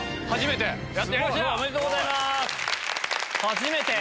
初めて！